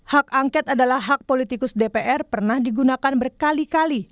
hak angket adalah hak politikus dpr pernah digunakan berkali kali